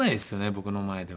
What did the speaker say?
僕の前では。